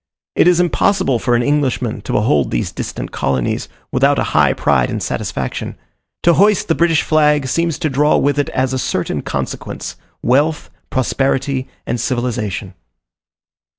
It is impossible for an Englishman to behold these distant colonies, without a high pride and satisfaction. To hoist the British flag, seems to draw with it as a certain consequence, wealth, prosperity, and civilization.